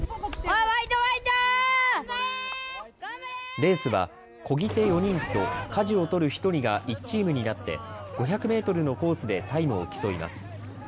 レースは、こぎ手４人とかじを取る１人が１チームになって５００メートルのコースでタイムを競います。